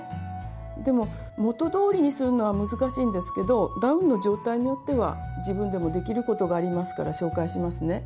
でも元どおりにするのは難しいですけどダウンの状態によっては自分でもできることがありますから紹介しますね。